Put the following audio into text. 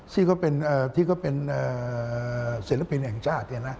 ที่ก็เป็นเสร็จละเป็นแห่งจาด